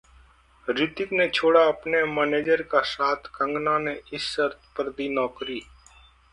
रितिक ने छोड़ा अपनी मैनेजर का साथ, कंगना ने इस शर्त पर दी नौकरी